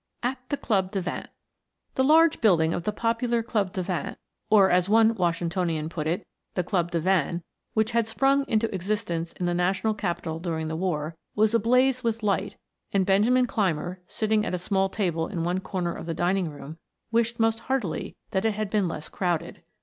AT THE CLUB DE VINGT The large building of the popular Club de Vingt, or as one Washingtonian put it, the "Club De Vin," which had sprung into existence in the National Capital during the war, was ablaze with light and Benjamin Clymer, sitting at a small table in one corner of the dining room, wished most heartily that it had been less crowded.